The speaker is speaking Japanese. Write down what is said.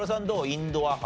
インドア派？